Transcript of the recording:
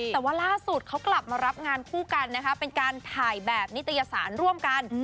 แต่ว่าล่าสุดเขากลับมารับงานคู่กันนะคะเป็นการถ่ายแบบนิตยสารร่วมกัน